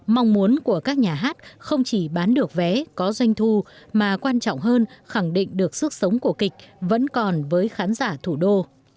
mong muốn của các nhà hát không chỉ bán được vé có doanh thu mà quan trọng hơn khẳng định được sức sống của kịch vẫn còn với khán giả thủ đô